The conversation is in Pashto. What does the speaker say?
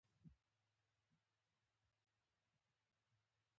بشارت زیري ادبیات بازار تود شو